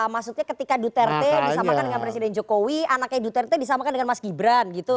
maksudnya ketika duterte disamakan dengan presiden jokowi anaknya duterte disamakan dengan mas gibran gitu